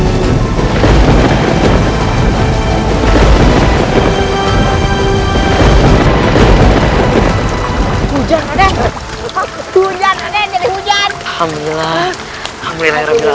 hai hujan hanya hujan hanya hujan hamillah hamillah ya rabbillah